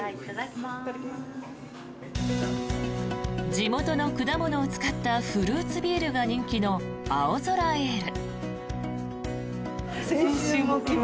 地元の果物を使ったフルーツビールが人気の青空エール。